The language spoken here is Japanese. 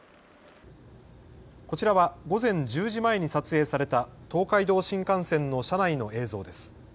こちらは午前１０時前に撮影された東海道新幹線の車内の映像です。